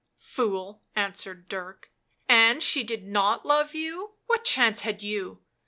77 u Fool , 77 answered Dirk ; u an 7 she did not love you, what chance had you?